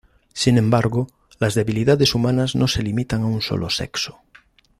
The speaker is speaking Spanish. Sin embargo, las debilidades humanas no se limitan a un solo sexo.